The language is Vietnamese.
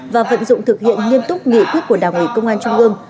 và vận dụng thực hiện nghiêm túc nghị quyết của đảng ủy công an trung ương